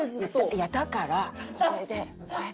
「いやだからこれでこれで」。